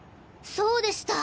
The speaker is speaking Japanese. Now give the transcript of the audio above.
そうでした。